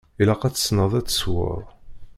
Ilaq ad tessneḍ ad tessewweḍ.